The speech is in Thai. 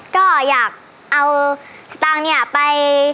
ก็อยากเอาสตางค์เนี่ยไป